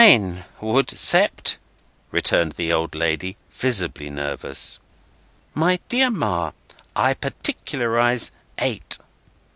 "Nine would, Sept," returned the old lady, visibly nervous. "My dear Ma, I particularise eight."